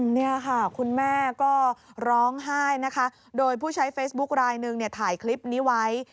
นี่ค่ะคุณแม่ก็ร้องไห้นะคะโดยผู้ใช้เฟซบุ๊คลายหนึ่งเนี่ยถ่ายคลิปนี้ไว้